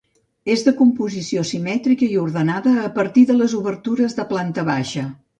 És de composició simètrica i ordenada a partir de les obertures de planta baixa.